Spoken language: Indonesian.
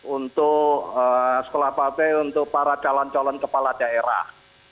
untuk sekolah partai untuk para calon calon kepala daerah